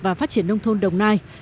và phát triển nông thôn đồng nai